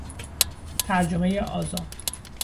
ترجمهی آزاد